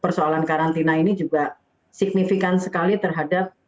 persoalan karantina ini juga signifikan sekali terhadap